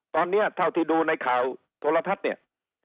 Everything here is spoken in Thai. ตอนนี้เท่าที่ดูในข่าวโทรทัศน์เนี่ย